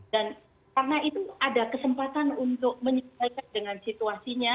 dan karena itu ada kesempatan untuk menyelesaikan dengan situasinya